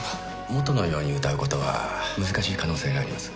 元のように歌うことは難しい可能性があります。